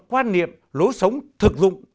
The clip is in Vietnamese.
quan niệm lối sống thực dụng